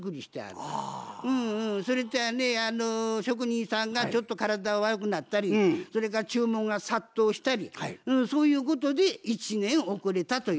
それとやね職人さんがちょっと体悪くなったりそれから注文が殺到したりそういうことで１年遅れたと言うとるわけです。